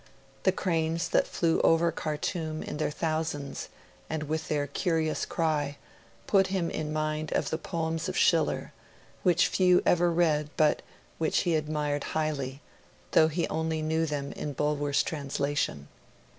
The cranes that flew over Khartoum in their thousands, and with their curious cry, put him in mind of the poems of Schiller, which few ever read, but which he admired highly, though he only knew them in Bulwer's translation.